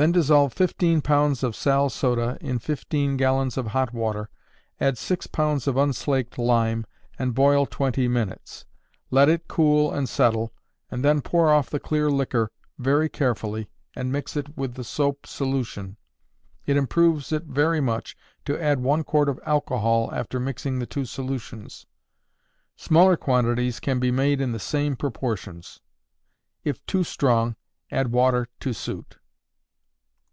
Then dissolve fifteen pounds of sal soda in fifteen gallons of hot water; add six pounds of unslaked lime, and boil twenty minutes. Let it cool and settle, and then pour off the clear liquor very carefully and mix it with the soap solution. It improves it very much to add one quart of alcohol after mixing the two solutions. Smaller quantities can be made in the same proportions. If too strong, add water to suit.